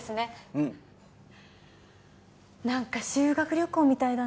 うん何か修学旅行みたいだ